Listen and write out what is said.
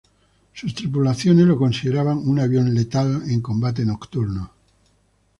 Sus tripulaciones lo consideraban un avión letal en combate nocturno.